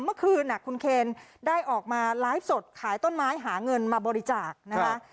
เมื่อคืนคุณเคนได้ออกมาไลฟ์สดขายต้นไม้หาเงินมาบริจาคนะคะ